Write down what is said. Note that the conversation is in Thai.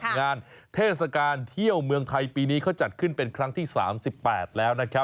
เทศกาลเที่ยวเมืองไทยปีนี้เขาจัดขึ้นเป็นครั้งที่๓๘แล้วนะครับ